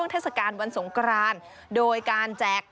ในวันสงกรานโดยการแจก